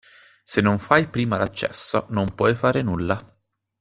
Se non fai prima l'accesso non puoi fare nulla.